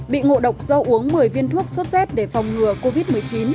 bị ngộ độc do uống một mươi viên thuốc sốt z để phòng ngừa covid một mươi chín